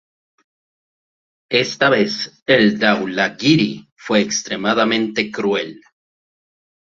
Esta vez el Dhaulagiri fue extremadamente cruel.